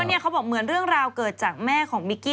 เนี่ยเขาบอกเหมือนเรื่องราวเกิดจากแม่ของมิกกี้